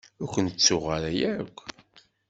Ur ken-ttuɣ ara akk.